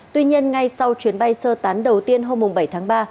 tuy nhiên ngay sau chuyến bay sơ tán đầu tiên hôm bảy tháng ba